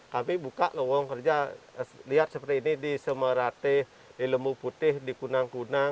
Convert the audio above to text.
kami buka lowong kerja lihat seperti ini di semerate di lembu putih di kunang kunang